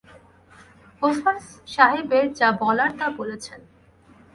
ওসমান সাহেবের যা বলার তা বলেছেন।